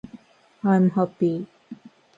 i'm happy